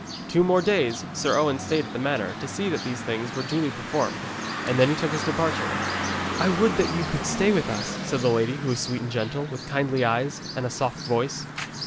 Two more days Sir Owen stayed at the manor to see that these things were duly performed, and then he took his departure. 'I would that you could stay with us,' said the lady, who was sweet and gentle, with kindly eyes and a soft voice.